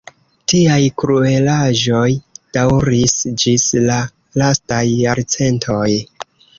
Tiaj kruelaĵoj daŭris ĝis la lastaj jarcentoj.